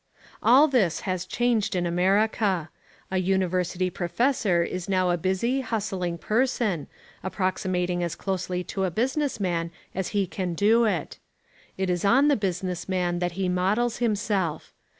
All this is changed in America. A university professor is now a busy, hustling person, approximating as closely to a business man as he can do it. It is on the business man that he models himself.